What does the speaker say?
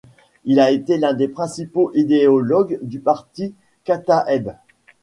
Il a été l'un des principaux idéologues du parti Kataëb.